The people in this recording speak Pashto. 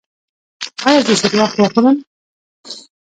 ایا زه شوروا وخورم؟